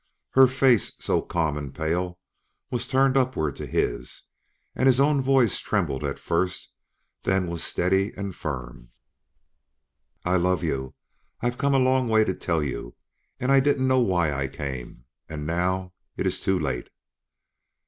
Her face, so calm and pale, was turned upward to his. And his own voice trembled at first; then was steady and firm. "I love you. I've come a long way to tell you, and I didn't know why I came. And now it is too late."